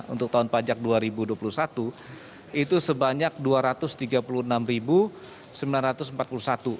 untuk tahun pajak dua ribu dua puluh satu itu sebanyak rp dua ratus tiga puluh enam sembilan ratus empat puluh satu